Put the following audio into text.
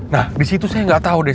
nah disitu saya gak tau deh